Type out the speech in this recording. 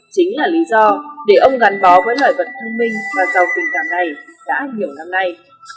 chính là lý do để ông gắn bó với loài vật thông minh và giàu tình cảm này đã nhiều năm nay